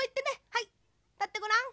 はいたってごらん。